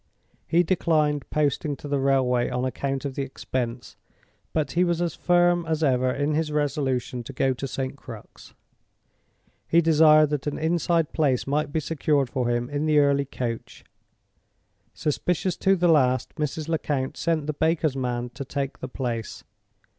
He declined posting to the railway on account of the expense, but he was as firm as ever in his resolution to go to St. Crux. He desired that an inside place might be secured for him in the early coach. Suspicious to the last, Mrs. Lecount sent the baker's man to take the place.